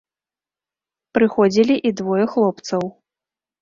Прыходзілі і двое хлопцаў.